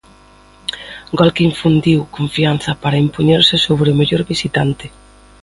Gol que infundiu confianza para impoñerse sobre o mellor visitante.